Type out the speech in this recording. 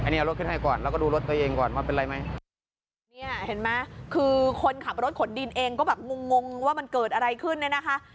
นี่เห็นมั้ยคือคนขับรถขนดินเองก็แบบงงว่ามันเกิดอะไรขึ้นเลยนะคะ